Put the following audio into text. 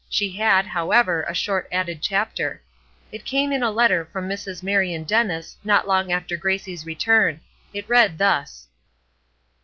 She had, however, a short added chapter. It came in a letter from Mrs. Marion Dennis not long after Gracie's return. It read thus.